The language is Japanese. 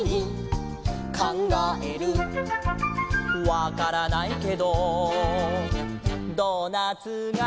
「わからないけどドーナツが」